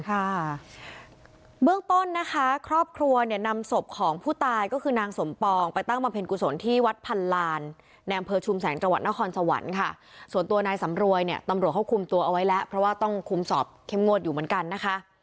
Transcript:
ค่ะเบื้องต้นนะคะครอบครัวเนี่ยนำศพของผู้ตายก็คือนางสมปองไปตั้งบำเพ็ญกุศลที่วัดพันลานในอำเภอชุมแสงจังหวัดนครสวรรค์ค่ะส่วนตัวนายสำรวยเนี่ยตำรวจเขาคุมตัวเอาไว้แล้วเพราะว่าต้องคุมสอบเข้มงวดอยู่เหมือนกันนะคะ